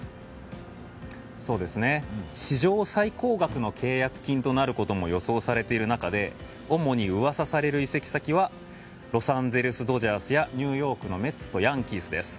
史上最高額の契約金となることも、予想されている中で主に噂される移籍先はロサンゼルス・ドジャースやニューヨークのメッツとヤンキースです。